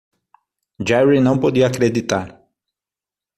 Jerry não podia acreditar.